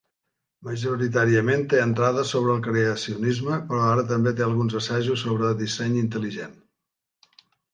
Majoritàriament té entrades sobre el creacionisme, però ara també té alguns assajos sobre "disseny intel·ligent".